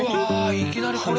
いきなりこれ。